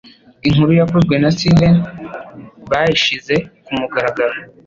inkuru yakozwe na Steven bayishize kumugaragaro